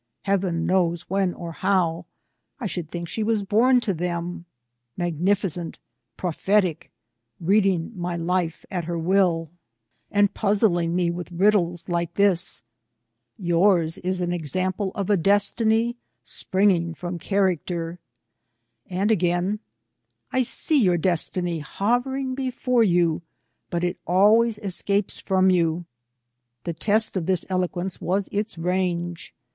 Heaven, knows when or how, — I should think she was born to them, — magnificent, prophetic, reading my life at her will. 288 VISITS TO CO^XORD. and puzzling me witli riddles like this, '' Yours is an example of a destiny springing from character :" and, again, " I see your destiny hovering before you, but it always escapes from you." The test of this eloquence was its range.